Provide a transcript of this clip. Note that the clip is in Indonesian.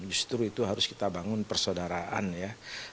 justru itu harus kita bangun persaudaraan ya